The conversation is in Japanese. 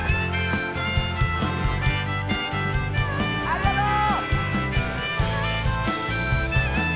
ありがとう！